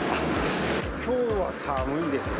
きょうは寒いですね。